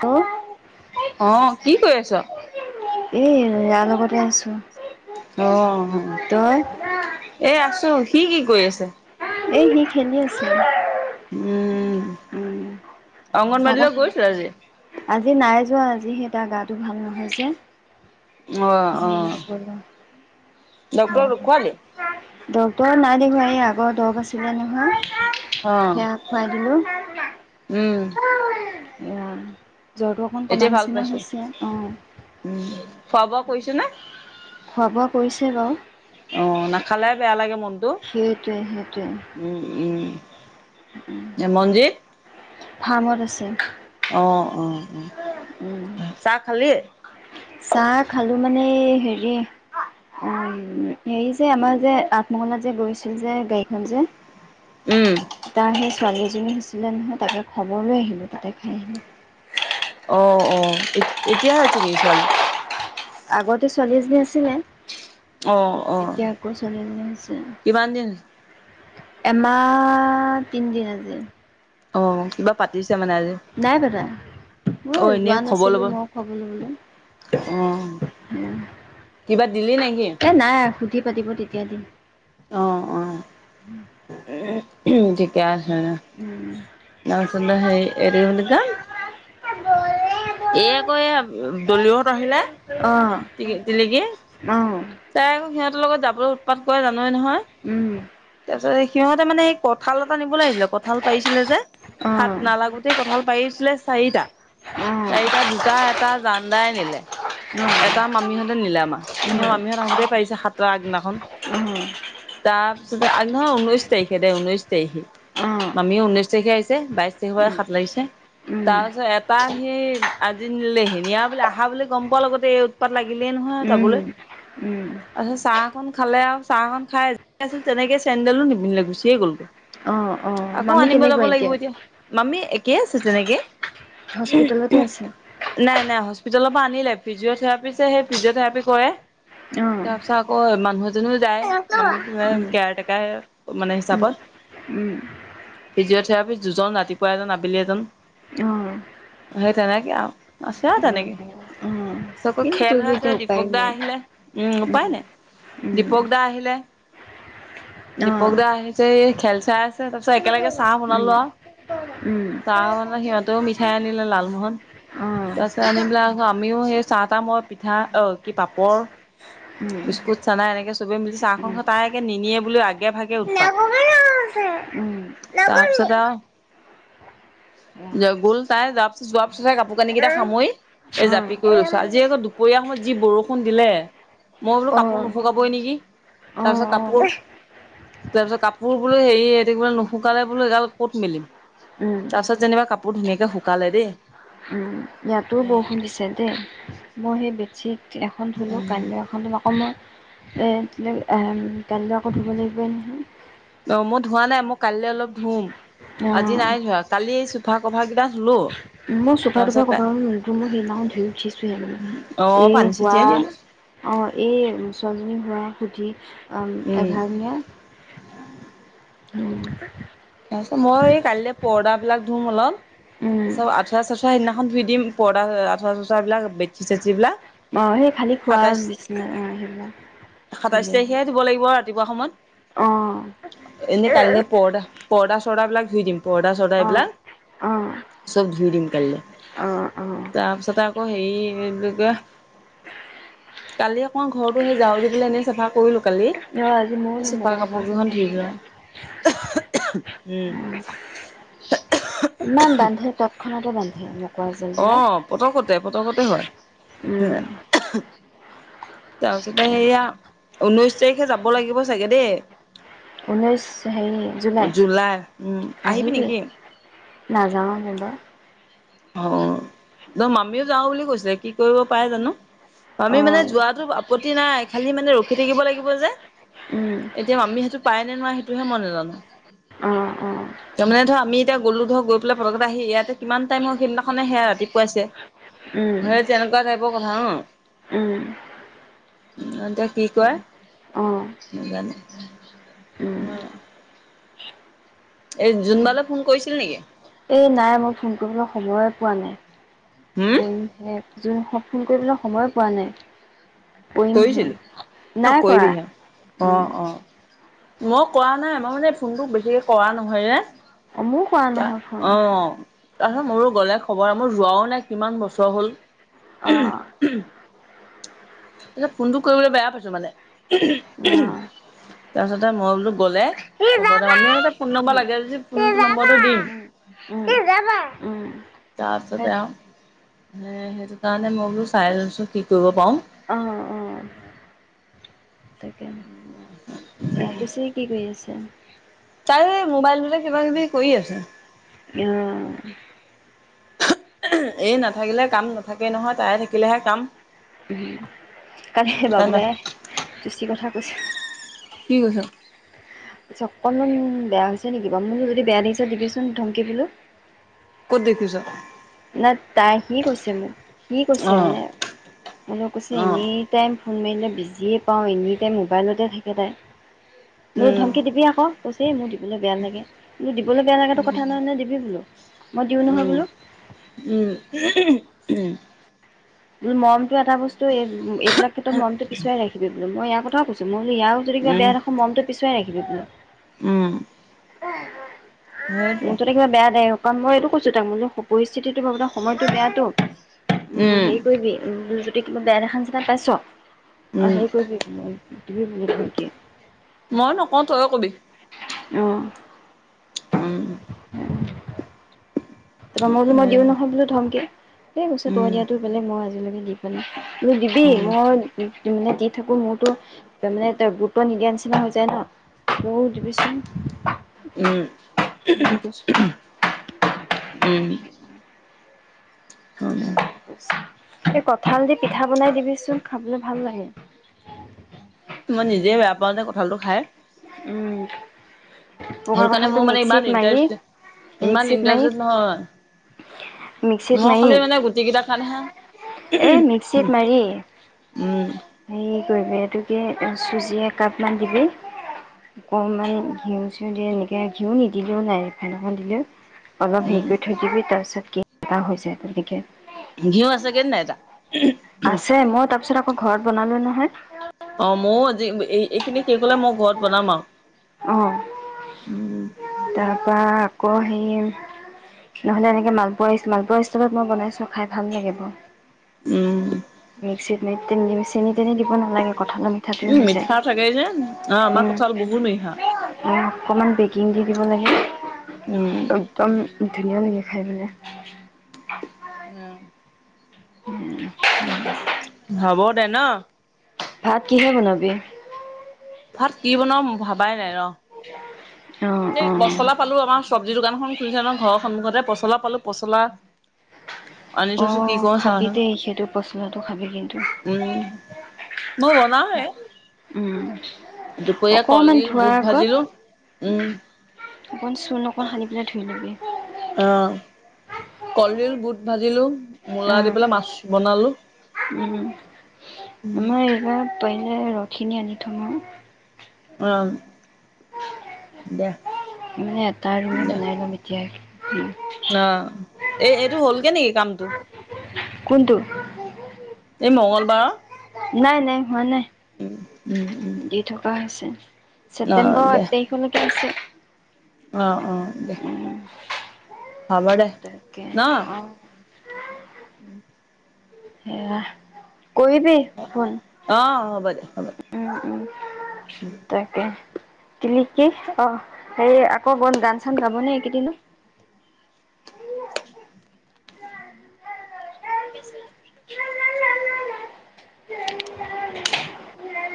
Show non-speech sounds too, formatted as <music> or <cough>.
Hello অ কি কয়ি আছ। এ ইয়াৰ লগতে আছোঁ। অ এ আছোঁ সি কি কৰি আছে। এ সি খেলি আছে উম উম চাহ তাহ অংগনবাদীলৈ খালো গৈছিলা আজি আজি নাই যোৱা আজি সেই তাৰ গাটো ভাল নহয় অ যে অ সেয়ে নগলো। ডক্তৰক দেখুৱালি ডক্ত ৰক নাই দেখোৱা এই আগৰ দৰৱ আছিলে নহয় অ সেয়া খুৱাই দিলোঁ। উম এয়া জ্বৰটো অকণ কমা এতিয়া ভাল নিচিনা পাইছো হৈছে অঁ উম খোৱা বোৱা কৰিছে নে? খোৱা বোৱা কৰিছে বাৰু অ নাখালে বেয়া লাগে মনটো সেইটোৱে সেইটোৱে উম উম এ মনজিৎ ফাৰ্মত আছে অ অ উম, উম, চাহ খালি চাহ খালো মানে হেৰী উম হেৰী যে আমাৰ যে আতমহলাত যে গৈছিল যে গাড়ী খন যে উম ছোৱালী এজনী হৈছিলে নহয় তাকে খবৰ লৈ আহিলোঁ, তাতে খাই আহিলোঁ। অ অ এতিয়াহে হৈছে নেকি ছোৱালী। আগতে ছোৱালী এজনী আছিলে অ অ এতিয়া আকৌ ছোৱালী এজনী কিমান দিন আছে এমাহ তিনদিন আজি অ কিবা পাতিছে মানে আজি নাই পাতা অ মই এনেই যোৱা খবৰ নাছিলো ল'ব মই খব লবলে অ কিবা দিলি নেকি? এ নাই সুধি পাতিব তেতিয়া দিম অ অ ঠিকে হে তাৰপিছতে হেৰি এইটো কি বুলি কয়। এ বলে এই আকৌ এই দলিওত আহিলে অঁ টি টিলিকি অঁ তাই আকৌ সিহঁতৰ লগত যাবলৈ উৎপাত কৰে জানয়েই নহয়। উম! ত সিহঁতে মানে সেই কঁঠাল এটা নিবলৈ আহিছিলে কঁঠাল পাৰিছিলে যে অঁ হাত নালাগোতেই কঁঠাল পাৰিছিল লে চাৰিটা অঁ চাৰিটা দুটা এটা জান দাই নিলে। অ', অ', এটা মামীহঁতে নিলে আমাৰ স মামিহঁত আহোতেই পাৰিছে সাতৰ আগদিনাখন। উম তাৰপিছত আগদিনাখন ঊনৈশ তাৰিখে দে ঊনৈশ তাৰিখে মামিও ঊনৈশ তাৰিখে আহিছে বাইশ তাৰিখৰ পৰা সাত লাগিছে তাৰপিছত এটা সেই আজি লেহেনীয়া বুলি আহা বুলি গম পোৱা লগতে এই উৎপাত লাগিলেই নহয় যাবলৈ। তাৰছত চাহ অকন খালে আও চাহকন খাই তাছত তেনেকে চেণ্ডেলো নিপিন্ধিলে গুচিয়ে গ'লগে। অ আকৌ আনিব জাব লাগিব এতিয়া মামি একে আছে তেনেকে। হস্পিতেলতে আছে। হস্পিতেল পৰা আনিলে ফিজিঅ থেৰাপি যে সেই ফিজিঅ থেৰাপি কৰে, অ'। তাৰ পিছত আকৌ মানুহে যোনো যায় মামী কো এ উম, কেয়াৰটেকাই উম উম ফিজিঅ'থেৰাপি দুজন ৰাতিপুৱা এজন, আবেলি এজন। অ', অ', সেই তেনেকে আও আছে তেনেকে অ', অ'। চকুত কিনো খেল কৰিব হৈ আছে এতিয়া উপায়ো দীপক দা নাই। আহিলে উম উপায় নাই উম, দীপক দা আহিলে দীপক অ'। দা আহিছে এই খেল চাই আছে তাৰপিছত একেলগে চাহ উম, উম। বনালো আৰু চাহ মানে সিহঁতেও মিঠাই আনিলে লালমোহন অ', তাৰপিছত আনি পেলে আকৌ আমিও সেই চাহ তাহ মই পিঠা অহ কি পাপৰ উম, বিস্কুট চানা এনেকে চবে মিলি চাহখন উম। খাই। তাই আকৌ নিনিয়ে বুলি আগে ভাগে উৎপাত। তাৰপিছত আহ জগুল তাই যোৱা পিছত যোৱাৰ পিছতহে কাপোৰ কানি কেইটা উম। সামৰি অ', এই জাপি কৰি লৈছো আজি আকৌ দুপৰীয়া সময়ত যি বৰষুণ দিলে। মই বোলো কাপোৰ অ', নুশুকাবই নেকি অ', তাৰপিছত কাপোৰ অ', তাৰপিছত কাপোৰ বোলো হেৰি নুশুকালে বোলো এইগাল ক'ত মেলিম। উম, তাৰপিছত যেনিবা কাপোৰ ধুনীয়াকে শুকালে দেই উম, ইয়াতো বৰষুণ দিছে দেই মই সেই বেডচিট। এখন ধুলোঁ কাইলে এখন ধুম আকৌ মই কাইলৈ আকৌ ধুব লাগিবই নহয়। অ মই ধোৱা নাই মই কাইলৈ অলপ ধুম আজি অ', নাই ধোৱা কালি চুটি কভাৰ কেইটা ধুলো মোৰ চোফা-তোফা তাৰপিছত কভাৰ মই সেইদিনা ধুই উঠিছোহে মানে অ এ পানী ছটিয়াই দিলো হোৱা অ এই ছোৱালীজনী শুৱাই পুথি আ উম এঘাৰদিনীয়া উম তাৰপাত মই এই কালিলে পৰ্দাবিলাক ধুম অলপ উম, পাছত তাৰপিছত আঠোৱা-চাঠোৱা সেইদিনাখন ধুই দিম পৰ্দা আঠুৱা চাঠোৱাবিলাক বেথচি -চেথচি বিলাক অ সেই খালী খোৱা সাতাইশ বিচনা অ সেইবিলাক সাতাইশ ধুলে হ'ল। তাৰিখে দিব লাগিব ৰাতিপুৱা সময়ত অ', এনেই কাইলে পৰ্দা পৰ্দা চৰ্দা বিলাক ধুই দিম পৰ্দা চৰ্দা অ', এইবিলাক অ'। চব ধুই দিম কাইলে অ', অ', তাৰপিছত আকৌ হেৰি এই কি কয় কালি অকমান ঘৰতো সেই জাৰো দি পেলাই এনেই চাফা কৰিলো। কালি ৰ আজি ময়ো সেই চোপাৰ মকৰা জাল কাপোৰ চাব কেইখন ধুই লাগিব দিয়া। লোৱা উম ইমান বান্ধে ট্ৎক্ষনাতে বান্ধে মকৰা অ' জালবিলাক। পতকতে পতকতে হয় হ উম, <unintelligible> <unintelligible> তাৰপিছতে সেয়া ঊনৈশ তাৰিখে যাব লাগিব চাগে দেই- ঊনৈছ সেই - জুলাই, আহিবি নাযাওঁ এবাৰ অ মামিও যাও বুলি কৈছিল কি কৰিব পাৰে জানো? আমি মানে অ', যোৱাতো আপত্তি নাই খালি মানে ৰখি থাকিব লাগিব যে উম, এতিয়া মামি সেইটো পায় নে নোৱাই সেইটোহে মই নাজানো- অ', অ', তাৰমানে ধৰ আমি এতিয়া গ'লো ধৰ গৈ পেলাই পলকতে আহি ইয়াতে কিমান টাইমৰ সেইদিনাখে সেয়া ৰাতিপুৱাইছে উম, ধৰে তেনেকুৱা টাইপৰ কথা ন উম, এতিয়া কি কয় অ', উম। <unintelligible> উ <unintelligible> এই জোনবালৈ ফোন কৰিছিল নেকি? এ নাই মই ফোন কৰিবলৈ সময় পোৱা নাই, হম কৰিম হে যোন হওক ফোন কৰিবলৈ সময়ো পোৱা নাই কৰিমহে। কৰিছিলো নাই নকইবি কৰা। না অ উম। অ মই কৰা নাই আমাৰ মানে ফোনটোক বেছিকে কৰা নহয় যে অ', ময়ো কৰা তা নহয় ফোন। অ তাৰপিছত মোৰো গ'লে খবৰ আৰু মোৰ যোৱাও নাই কিমান বছৰ হল অ ত ফোনটো কৰিবলৈ বেয়া পাইছো মানে অ'। তাৰপিছতে মই বোলোঁ গ'লে সি হ'ব দে যাবা আমি ফোন নম্বৰ লাগে সি ফোন যাবা নম্বৰটো দিম। যাবা উ তাৰপিছতে আৰু সেইটো কাৰণে মই বোলোঁ চাই লৈছোঁ কি কৰিব পাৰোঁ। অঁ অঁ তাকে <unintelligible> সেয়া তুছে কি কৰি আছে? তাই মোবাইলটোতে কিবা কিবি কৰি আছে অহ <unintelligible> <unintelligible> এই নাথাকিলে কাম নাথাকেই নহয় তাই থাকিলেহে কাম। কালি তাই বাবু না দাই তোচি কথা কৈছে কি কৈছ? পিছক অকনমান বেয়া হৈছে নেকি? বাৰু মোকনো যদি বেয়া দেখিছ দিবিচোন ধমকি বোলোঁ। ক'ত দেখিছ। নাই তাই সি কৈছে মোক সি কৈছে অ', মানে মোক লগ কৈছে অ'। Any time. ফোন মাৰিলে বিজিয়ে পাওঁ এনি টাইম মোবাইলতে থাকে তাই মই বোলোঁ উম, ধমকি দিবি আকৌ। কুচে মুও দীপ দিবলে বেয়া লাগে বোলোঁ দিবলৈ বেয়া লাগে কথা নহয় ন দিবি বোলোঁ। মই দিওঁ নহয় উম, বোলো। উম উম। বো মৰম এটা বস্তু এই এইবিলাক ক্ষেত্ৰত মৰমটো পিছুৱাই ৰাখিবি বোলে মই ইয়াৰ কথাও কৈছো মই বুলি ইয়াও যদি কিবা উম, বেয়া দেখো, মনটো পিছুৱাই ৰাখিবি বোলো। উম। সেইটোৱে মূঠতে কিবা বেয়া দেই এই সোপা। মইটো কৈছোঁ তই মোৰলৈ সপ চিঠিটো মোৰ মতে সময়টো বেয়াটো, উম হেৰি কৰিবি। উ তিকলোক বেয়া দেখা নিচিনা পাইছ? অ- উম। সেই কৰিবি বোলো <inaudible> মই নকওঁ। তইয়ে কবি। অ'। উম। তাৰপৰা মই বোলো মই দিওঁ উম, নহয় বোলো ধমকি। সেই কৈছে তই উম। দিয়াটো বেলেক। মই আজিলৈকে দি পোৱা নাই। বোলো দিবি। উম, মই মানে দি থাকোঁ। মোৰতো তাৰমানে তা গুৰুত্ব নিদিয়া নিচিনা হৈ যায় ন'। মোৰ উম, <unintelligible> উম, <unintelligible> এই কঁঠাল দি পিঠা বনাই দিবিচোন। খাবলৈ ভাল লাগে। মই নিজে বেয়া পাওঁ যে কঁঠালটো খাই। উম। পকা সেই কাৰণে কঁঠালটো মোৰ মানে মিক্সিত ইমান মাৰি ইণ্টাৰেষ্ট- ইমান মিক্সিত মাৰি ইণ্টাৰেষ্টেড নহয়। মিক্সিত মই মাৰি খালি মানে গুটিকেইটাৰ কাৰণেহে। এ মিক্সিত মাৰি, উম হেৰি তই যে এইটো কি, চুজি একাপমান দিবি। অকণমান ঘিঁউ-চিউ দি এনেকৈ, ঘিঁউ নিদিলেও নাই। একো নহয় দিলেও। অলপ হেৰি উম কৰি থৈ দিবি। তাৰপিছত কেক এটা হৈ যায় তেনেকে। ঘিউ আছে গে নাই তা? আছে, মই তাৰপিছত আকৌ ঘৰত বনালোঁ নহয়। এই- এইখিনি কি কলা, মই ঘৰত বনাম আৰু। অ' উম তাৰপৰা আকৌ সেই নহ'লে এনেকে মালপোৱা ইষ্- মালপোৱা ইষ্টলত মই বনাইছোঁ। খাই ভাল লাগিব। উম মিক্সিত নে তে দিম। চেনি-তেনি দিব নালাগে। কঁঠালৰ মিঠাটোৱে উম, হৈ যায়। মিঠা থাকে যে। অ' আমাৰ কঁঠাল বহুত মিঠা। অ' অকমান বেকিং দি দিব লাগে। উম একদম ধুনীয়া লাগে খাই মানে। উম। উম। উম, হ'ব দে ন'। ভাত কিহে বনাবি? ভাত কি বনাওঁ, ভাবাই নাই ৰ'। <unintelligible> এই অ'। পচলা পালোঁ। আমাৰ চব্জি দোকানখন খুলিছে ন' ঘৰৰ সন্মুখতে। পচলা পালোঁ পচলা <inaudible> আনি থৈছোঁ। কি অ', কৰোঁ খাবি চাওঁচোন। দেই সেইটো পচলাটো খাবি কিন্তু। উম। মই বনাওঁৱে। উম, অকমান কলডিল ধোৱাৰ বুট ভাজিলো আগত উম অকণ চূণ অকণ সানি পেলাই ধুই ল'বি। অ'। কলডিল বুট ভাজিলোঁ। মূলা দি অ', পেলাই মাছ বনালোঁ। উম, আমাৰ এইবাৰ পাৰিলে ৰসখিনি আনি থম আৰু। অ'। দিয়া মানে এটা ৰুমে দিয়া বনাই লম এতিয়াই। অ'। এই- এইটো হ'লগে নেকি কামটো? কোনটো? এই মংগলবাৰৰ। নাই নাই হোৱা নাই উম উম উম দি থকা হৈছে অ ছেপটেম্বৰ দে এক তাৰিখলৈকে আছে। অ অ দে উম হব দে তাকে ন অ উম। সেয়া কৰিবি ফোন। অ হ'ব দে হ'ব মোনো উম উম তাকে। কিলিকি অ সে আকৌ গন গান চান গাবনে এইকেইদিন <inaudible> কেলে বেচুৱালি <unintelligible> <unintelligible>